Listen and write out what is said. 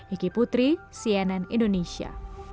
iki putri cnn indonesia